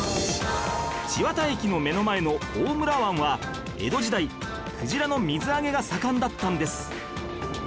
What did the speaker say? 千綿駅の目の前の大村湾は江戸時代クジラの水揚げが盛んだったんです